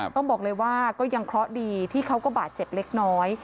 ต้องบอกเลยว่าก็ยังเคราะห์ดีที่เขาก็บาดเจ็บเล็กน้อย